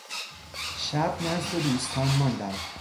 شب نزد دوستان ماندم.